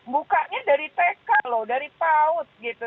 bukanya dari tk loh dari paut gitu